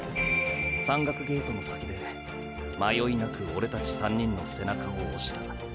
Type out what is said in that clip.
山岳ゲートの先で迷いなくオレたち３人の背中を押した。